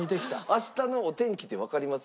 明日のお天気ってわかります？